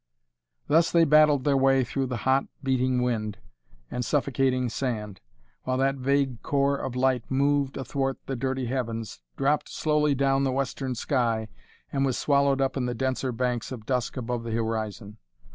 Thus they battled their way through the hot, beating wind and suffocating sand, while that vague core of light moved athwart the dirty heavens, dropped slowly down the western sky, and was swallowed up in the denser banks of dusk above the horizon.